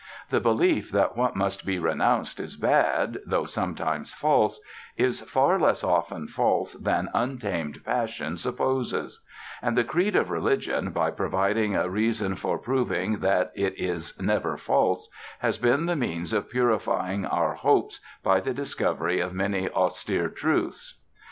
The belief that what must be renounced is bad, though sometimes false, is far less often false than untamed passion supposes; and the creed of religion, by providing a reason for proving that it is never false, has been the means of purifying our hopes by the discovery of many austere truths.